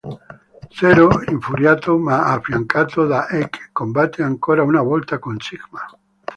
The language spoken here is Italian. Zero infuriato ma affiancato da X combatte ancora una volta con Sigma.